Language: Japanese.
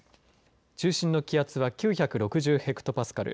中心の気圧は９６０ヘクトパスカル。